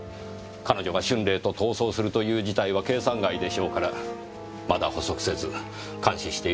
彼女が春麗と逃走するという事態は計算外でしょうからまだ捕捉せず監視している可能性もあります。